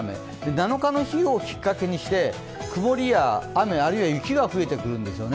７日をきっかけにして曇りや雨、あるいは雪が降ってくるんですね。